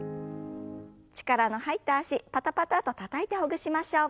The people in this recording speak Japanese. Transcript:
力の入った脚パタパタッとたたいてほぐしましょう。